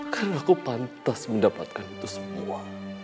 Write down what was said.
karena aku pantas mendapatkan itu semua